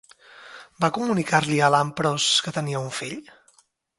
Va comunicar-li a Lampros que tenia un fill?